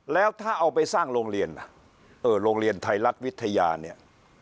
แล้วถ้าเอาไปสร้างโรงเรียนโรงเรียนไทยรัฐวิทยาเนี่ย